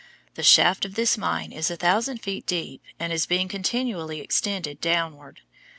The shaft of this mine is a thousand feet deep, and is being continually extended downward.